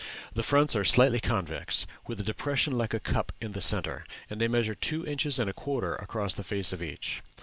The fronts are slightly convex, with a depression like a cup in the centre, and they measure two inches and a quarter across the face of each.